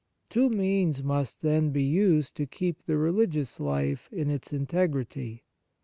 Two means must, then, be used to keep the religious life in its integrity.